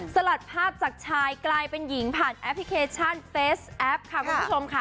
สลัดภาพจากชายกลายเป็นหญิงผ่านแอปพลิเคชันเฟสแอปค่ะคุณผู้ชมค่ะ